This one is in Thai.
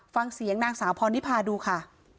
ฟังเสียงนางสาวพรนิพาดูค่ะ